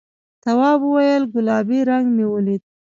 تواب وویل گلابي رنګ مې ولید.